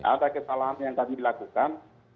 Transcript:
ada kesalahan yang tadi dilakukan